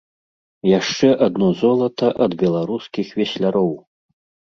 Яшчэ адно золата ад беларускіх весляроў!